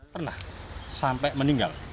pernah sampai meninggal